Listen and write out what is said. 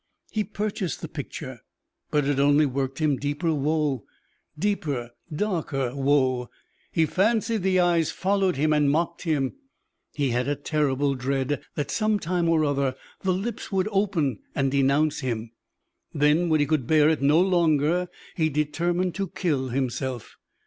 He purchased the picture, but it only worked him deeper woe deeper, darker woe. He fancied the eyes followed him and mocked him; he had a terrible dread that some time or other the lips would open and denounce him. Then, when he could bear it no longer, he determined to kill himself.